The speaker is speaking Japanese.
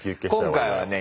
今回はね